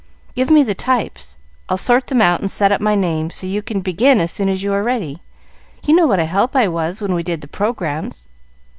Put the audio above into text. "Give me the types; I'll sort them and set up my name, so you can begin as soon as you are ready. You know what a help I was when we did the programmes.